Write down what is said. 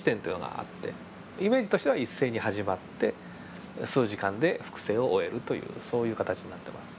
イメージとしては一斉に始まって数時間で複製を終えるというそういう形になってます。